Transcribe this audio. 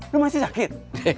lo masih sakit